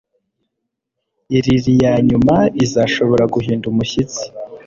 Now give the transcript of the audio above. Lili yanyuma izashobora guhinda umushyitsi